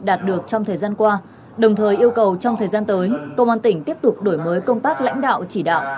đạt được trong thời gian qua đồng thời yêu cầu trong thời gian tới công an tỉnh tiếp tục đổi mới công tác lãnh đạo chỉ đạo